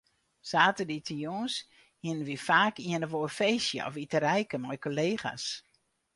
Saterdeitejûns hiene we faak ien of oar feestje of iterijke mei kollega's.